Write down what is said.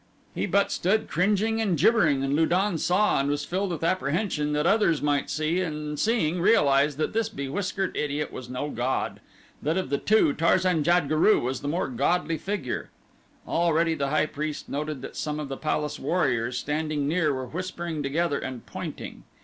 He but stood cringing and jibbering and Lu don saw and was filled with apprehension that others might see and seeing realize that this bewhiskered idiot was no god that of the two Tarzan jad guru was the more godly figure. Already the high priest noted that some of the palace warriors standing near were whispering together and pointing.